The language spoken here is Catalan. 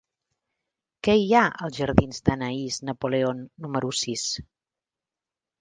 Què hi ha als jardins d'Anaïs Napoleon número sis?